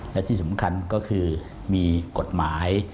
และที่สำคัญก็คือมีกฎหมาย